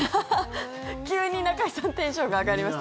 急に中居さんテンションが上がりました。